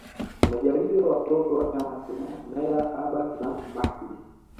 Wamejaliwa watoto watatu Nyla Abbas na Mahdi